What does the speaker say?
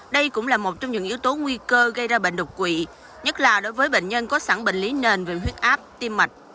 đây cũng là một trong những yếu tố nguy cơ gây ra bệnh đột quỵ nhất là đối với bệnh nhân có sẵn bệnh lý nền về huyết áp tim mạch